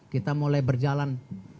kita mulai berjalan